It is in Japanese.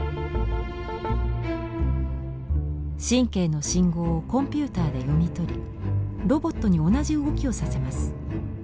神経の信号をコンピューターで読み取りロボットに同じ動きをさせます。